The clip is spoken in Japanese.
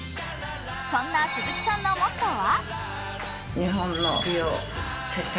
そんな鈴木さんのモットーは？